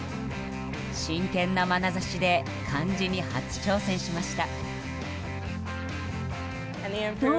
真剣なまなざしで漢字に初挑戦しました。